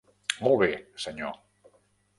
Molt bé, Senyor.